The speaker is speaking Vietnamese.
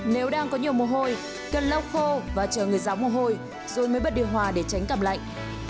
nếu đang có nhiều mồ hôi cần lau khô và chờ người giáo mồ hôi rồi mới bật điều hòa để tránh gặp lạnh